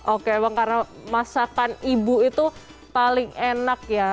oke emang karena masakan ibu itu paling enak ya